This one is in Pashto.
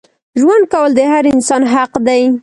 ژوند کول د هر انسان حق دی.